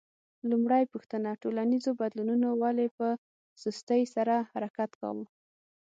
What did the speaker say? لومړۍ پوښتنه: ټولنیزو بدلونونو ولې په سستۍ سره حرکت کاوه؟